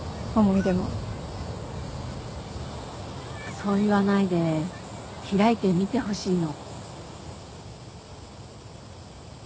そう言わないで開いて見てほしいの。